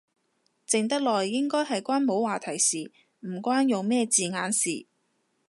靜得耐應該係關冇話題事，唔關用咩字眼事